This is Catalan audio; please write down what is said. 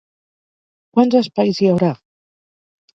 Quants espais hi haurà?